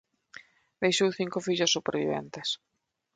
Deixou cinco fillos superviventes.